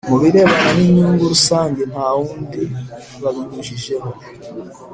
mu birebana n inyungu rusange nta wundi babinyujijeho